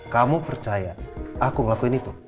kamu percaya aku ngelakuin itu